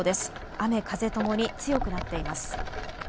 雨風ともに強くなっています。